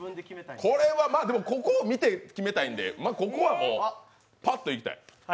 でも、ここを見て決めたいんでここはパッといきたい。